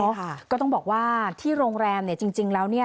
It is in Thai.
ใช่ค่ะก็ต้องบอกว่าที่โรงแรมเนี่ยจริงแล้วเนี่ย